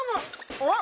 おっ！